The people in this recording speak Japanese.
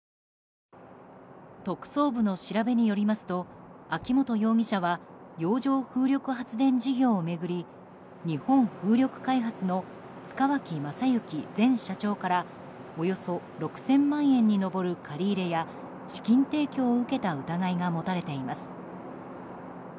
特捜部の調べによりますと秋本容疑者は洋上風力発電事業を巡り日本風力開発の塚脇正幸前社長からおよそ６０００万円に上る借り入れや資金提供を受けた疑いが持たれています。